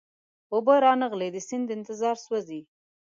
اوبه را نغلې د سیند انتظار سوزی